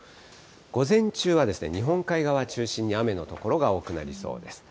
午前中はですね、日本海側中心に、雨の所が多くなりそうです。